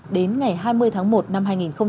đến ngày hai mươi tháng một năm hai nghìn hai mươi